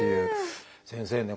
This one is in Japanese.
先生ね